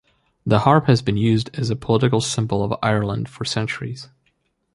The harp has been used as a political symbol of Ireland for centuries.